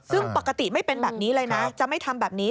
ซึ่งปกติไม่เป็นแบบนี้เลยนะจะไม่ทำแบบนี้